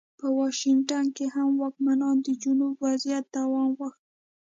په واشنګټن کې هم واکمنانو د جنوب وضعیت دوام غوښت.